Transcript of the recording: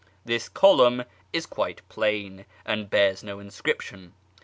This column is quite plain, and bears n(j inscription.